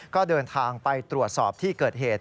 ก็เดินทางไปตรวจสอบที่เกิดเหตุ